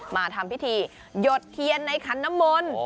มาทำพิธีหยดเทียนในขันน้ำมนต์